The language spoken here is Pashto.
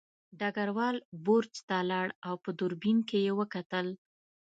ډګروال برج ته لاړ او په دوربین کې یې وکتل